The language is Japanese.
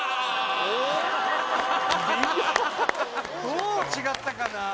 どう違ったかな？